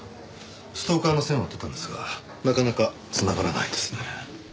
ストーカーの線を追ってたんですがなかなか繋がらないですね。